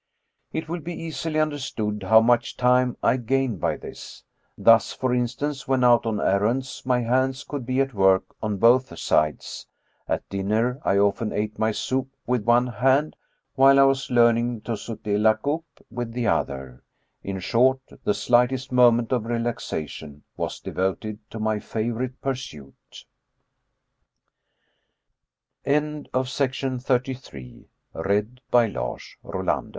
It will be easily understood how much time I gained by this. Thus, for instance, when out on errands my hands could be at work on both sides; at dinner, I often ate my soup with one hand while I was learning to sauter la coupe with the other — in short, the slightest mo ment of relaxation was devoted to my favor